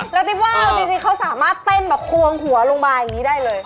แล้วติ๊บว่าวจริงเขาสามารถเต้นแบบควงหัวลงมาอย่างนี้ได้เลย